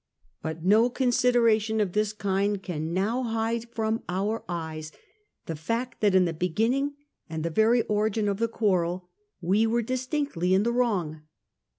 But no consider ation of this kind can now hide from our eyes the fact that in the beginning and the very origin of the quarrel we were distinctly in the wrong.